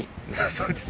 そうです。